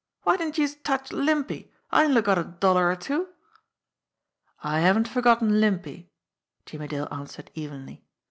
"Why didn't youse touch Limpy? I only got a dollar or two." "I haven't forgotten Limpy," Jimmie Dale answered evenly.